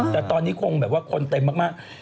แต่ตอนนี้คงคนเต็มแม่ก